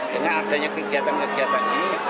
dengan adanya kegiatan kegiatan ini